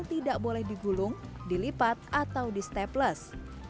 tidak boleh digulung dilipat atau di stapless